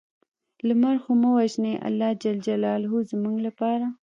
لمر خو مه وژنې الله ج زموږ لپاره